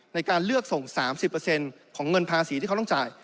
ในการเลือกส่ง๓๐ของเงินภาษีที่เขาต้องจ่าย